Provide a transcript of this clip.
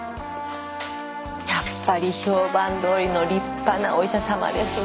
やっぱり評判どおりの立派なお医者さまですね